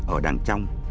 ở đằng trong